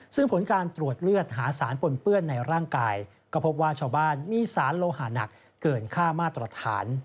ซึ่งผลการตรวจเลือดหาสารปนเปื้อนในร่างกายก็พบว่าชาวบ้านมีสารโลหาหนักเกินค่ามาตรฐาน